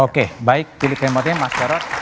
oke baik pilih kemampuannya mas sharif